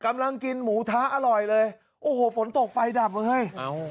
กำลังกินหมูทะอร่อยเลยโอ้โหฝนตกไฟดับเลยเฮ้ย